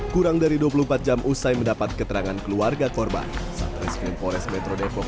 kurang dari dua puluh empat jam usai mendapat keterangan keluarga korban saat reskrim forest metro depok